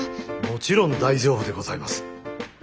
もちろん大丈夫でございます。